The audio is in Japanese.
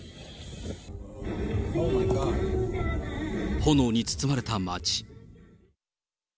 炎に包まれた街。